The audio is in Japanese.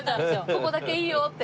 ここだけいいよって？